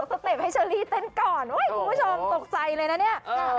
อืมขอสติปให้เชอรี่เต้นก่อนเพราะว่าคุณผู้ชมตกใจเลยนะเนี่ย